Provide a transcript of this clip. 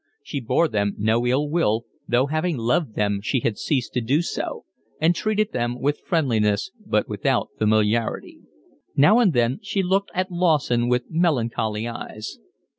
She bore them no ill will, though having loved them she had ceased to do so, and treated them with friendliness but without familiarity. Now and then she looked at Lawson with melancholy eyes.